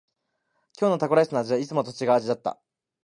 今日のタコライスの味はいつもと違う味だった。